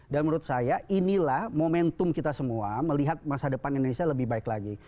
dan menurut saya inilah momentum kita semua melihat masa depan indonesia lebih baik lagi